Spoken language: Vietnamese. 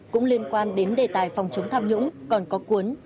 cũng liên quan đến đề tài phòng chống tham nhũng còn có cuốn